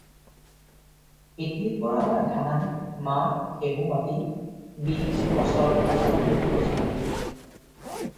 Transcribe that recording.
খেতিৰ পৰা হোৱা ধান, মাহ, ঘেঁহু আদি বীজ, ফচল, শস্য আদিক "শইচ" বোলে।